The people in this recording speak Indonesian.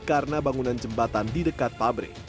karena bangunan jembatan di dekat pabrik